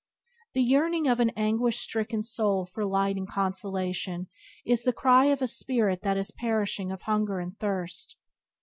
The yearning of an anguish stricken soul for light and consolation is the cry of a spirit that is perishing of hunger and thirst.